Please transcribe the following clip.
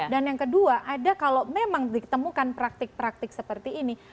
dan yang kedua ada kalau memang ditemukan praktik praktik seperti ini